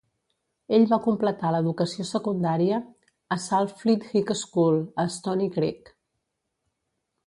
Ell va completar l'educació secundària a Saltfleet High School, a Stoney Creek.